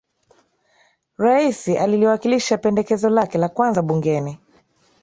raisi aliliwakilisha pendekezo lake la kwanza bungeni